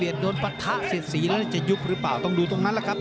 สีแล้วจะยุบหรือเปล่าต้องดูตรงนั้นแหละครับ